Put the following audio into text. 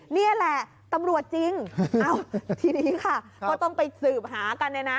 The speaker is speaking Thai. นี่แหละตำรวจจริงเอ้าทีนี้ค่ะก็ต้องไปสืบหากันเนี่ยนะ